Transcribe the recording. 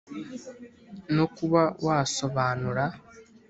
no kuba wasobanura